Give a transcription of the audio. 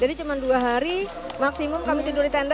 cuma dua hari maksimum kami tidur di tenda